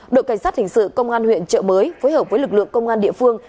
đội cảnh sát hình sự công an huyện trợ mới phối hợp với lực lượng công an địa phương